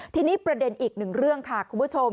ทีนี้ประเด็นอีกหนึ่งเรื่องค่ะคุณผู้ชม